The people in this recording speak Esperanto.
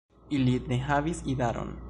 Ili ne havis idaron.